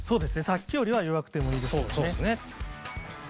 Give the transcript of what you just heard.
さっきよりは弱くてもいいですよね。